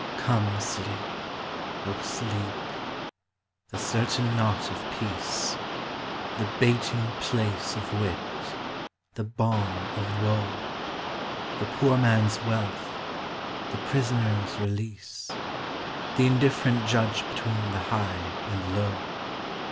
Come, Sleep, O Sleep, the certain knot of peace, The baiting place of wit, the bairn of woe, The poor man's wealth, the prisoner's release, The indifferent judge between the high and low.